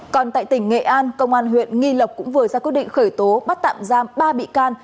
còn tại tỉnh nghệ an công an huyện nghi lộc cũng vừa ra quyết định khởi tố bắt tạm giam ba bị can